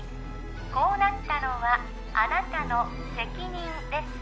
こうなったのはあなたの責任です